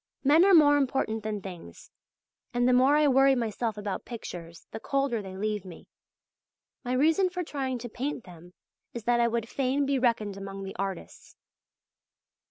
Men are more important than things, and the more I worry myself about pictures, the colder they leave me. My reason for trying to paint them is that I would fain be reckoned among the artists.